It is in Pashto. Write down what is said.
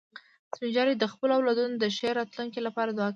سپین ږیری د خپلو اولادونو د ښې راتلونکې لپاره دعا کوي